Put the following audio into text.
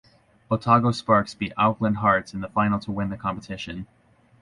Otago Sparks beat Auckland Hearts in the final to win the competition.